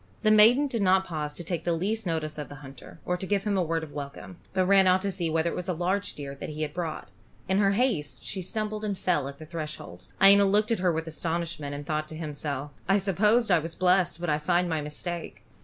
The maiden did not pause to take the least notice of the hunter, or to give him a word of welcome, but ran out to see whether it was a large deer that he had brought. In her haste she stumbled and fell at the threshold. Iena looked at her with astonishment, and thought to himself, "I supposed I was blessed, but I find my mistake.